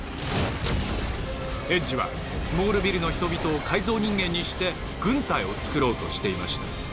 エッジはスモールビルの人々を改造人間にして軍隊を作ろうとしていました。